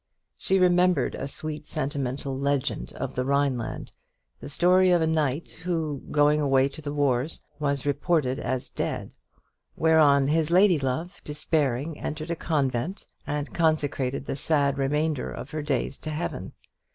She remembered a sweet sentimental legend of the Rhineland: the story of a knight who, going away to the wars, was reported as dead: whereon his lady love, despairing, entered a convent, and consecrated the sad remainder of her days to heaven.